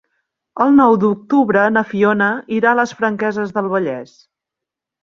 El nou d'octubre na Fiona irà a les Franqueses del Vallès.